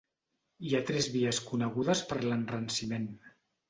Hi ha tres vies conegudes per l'enranciment.